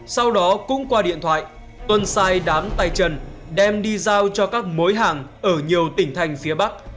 sau đó cũng qua điện thoại tuân sai đám tay chân đem đi giao cho các mối hàng ở nhiều tỉnh thành phía bắc